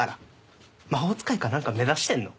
魔法使いか何か目指してんの？